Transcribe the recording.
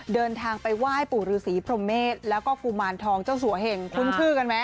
เดินทางไปไหว้ปู่ฤษีพรหมเมษแล้วก็กุมารทองเจ้าสัวเหงคุ้นชื่อกันไหม